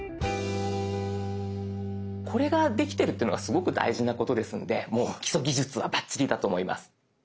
これができてるっていうのがすごく大事なことですのでもう基礎技術はバッチリだと思います。